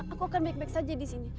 aku akan balik balik saja disini